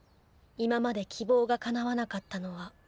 今まで希望がかなわなかったのは。